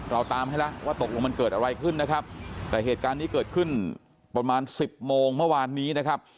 เราตามให้แล้วว่าตกลงมันเกิดอะไรขึ้นนะครับแต่เหตุการณ์นี้เกิดขึ้นประมาณสิบโมงเมื่อวานนี้นะครับ